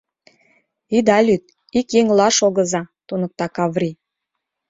— Ида лӱд, ик еҥла шогыза! — туныкта Каври.